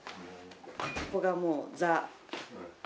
ここがもう。